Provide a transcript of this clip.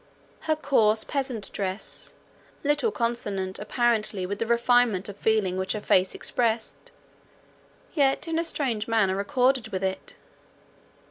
Her coarse peasant dress, little consonant apparently with the refinement of feeling which her face expressed, yet in a strange manner accorded with it.